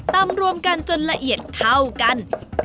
รวมกันจนละเอียดเข้ากัน